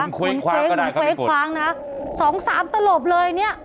หมุนเคว้งก็ได้ก็ไม่กดหมุนเคว้งนะสองสามตะหลบเลยเนี่ย